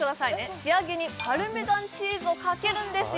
仕上げにパルメザンチーズをかけるんですよ